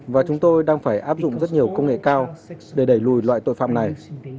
và chúng tôi đang phải áp dụng rất nhiều công nghệ cao để đẩy lùi loại tội phạm này